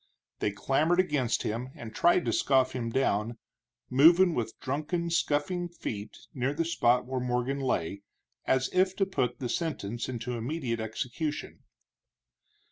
They clamored against him and tried to scoff him down, moving with drunken, scuffing feet near the spot where Morgan lay, as if to put the sentence into immediate execution.